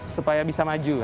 supaya bisa maju